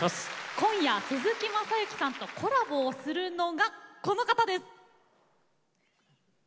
今夜、鈴木雅之さんとコラボするのは、こちらの方です。